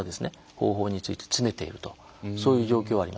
方法について詰めているとそういう状況があります。